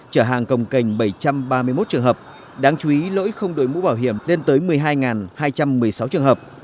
trở hàng cồng cành bảy trăm ba mươi một trường hợp đáng chú ý lỗi không đội mũ bảo hiểm lên tới một mươi hai hai trăm một mươi sáu trường hợp